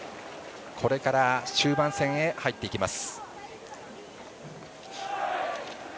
これから終盤戦へ入っていきます。